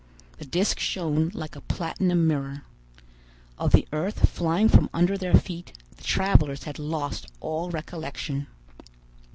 The disc shone like a platinum mirror. Of the earth flying from under their feet, the travelers had lost all recollection.